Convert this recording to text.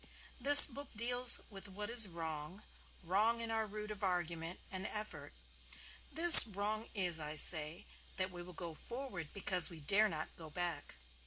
This book deals with what is wrong, wrong in our root of argument and effort. This wrong is, I say, that we will go forward because we dare not go back.